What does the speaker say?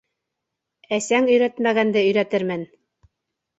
Әсәң өйрәтмәгәнде өйрәтермен!